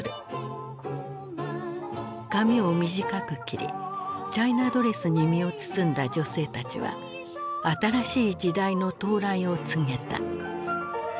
髪を短く切りチャイナドレスに身を包んだ女性たちは新しい時代の到来を告げた。